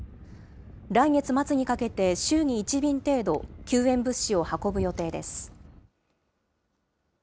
来月末にかけて週に１便程度、救援物資を運ぶ予定です。